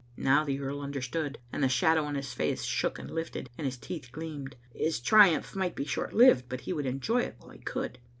Now the earl understood, and the shadow on his face shook and lifted, and his teeth gleamed. His triumph might be short lived, but he would enjoy it while he could.